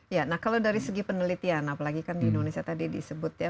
ya nah kalau dari segi penelitian apalagi kan di indonesia tadi disebut ya